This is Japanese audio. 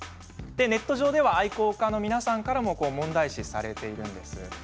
ネット上では愛好家の皆さんからも問題視されているんです。